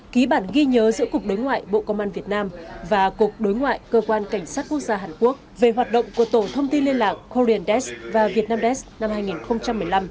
ký bản ghi nhớ giữa cục đối ngoại bộ công an việt nam và cục đối ngoại cơ quan cảnh sát quốc gia hàn quốc về hoạt động của tổ thông tin liên lạc korean desk và vietnam desk năm hai nghìn một mươi năm